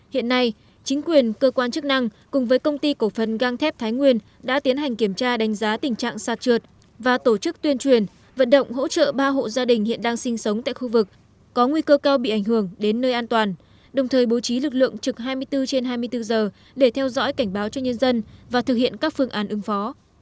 hiện nay chính quyền cơ quan chức năng cùng với công ty cổ phần găng thép thái nguyên đã tiến hành kiểm tra đánh giá tình trạng sạt trượt và tổ chức tuyên truyền vận động hỗ trợ ba hộ gia đình hiện đang sinh sống tại khu vực có nguy cơ cao bị ảnh hưởng đến nơi an toàn đồng thời bố trí lực lượng trực hai mươi bốn trên hai mươi bốn giờ để theo dõi cảnh báo cho nhân dân và thực hiện các phương án ứng phó